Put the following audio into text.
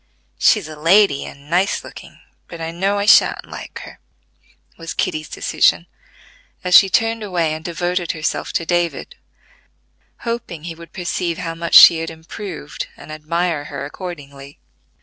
"She's a lady and nice looking, but I know I shan't like her," was Kitty's decision, as she turned away and devoted herself to David, hoping he would perceive how much she had improved and admire her accordingly.